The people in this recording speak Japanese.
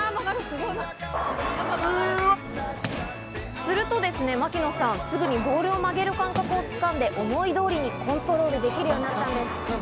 すると槙野さん、すぐにボールを曲げる感覚を掴んで思い通りにコントロールできるようになったんです。